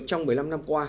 trong một mươi năm năm qua